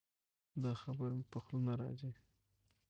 دا خبره مې په خوله نه راځي.